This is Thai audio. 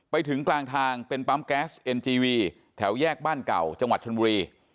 ไปถึงกลางทางเป็นปั๊มแก๊สเอ็นจีวีแถวแยกบ้านเก่าจังหวัดชนบุรี